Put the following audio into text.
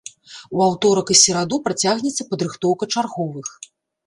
У аўторак і сераду працягнецца падрыхтоўка чарговых.